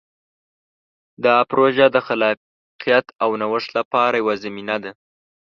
دا پروژه د خلاقیت او نوښت لپاره یوه زمینه ده.